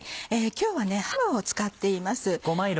今日はハムを使っています。